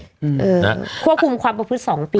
ควบคุมความประพฤติ๒ปี